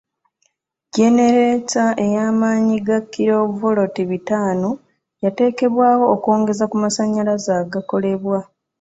Genereeta ey'amaanyi ga kilo voloti bitaano yateekebwawo okwongeza ku masanyalaze agakolebwa.